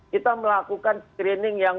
kita melakukan screening yang